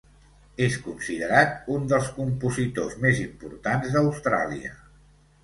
És considerat un dels compositors més importants d'Austràlia.